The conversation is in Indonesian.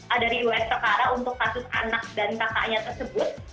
ada di website yang berdasarkan perkara untuk kasus anak dan kakaknya tersebut